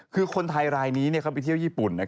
คนไทยียนิเขาเลือกไปเที่ยวญี่ปุ่น